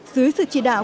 dưới sự chỉ đạo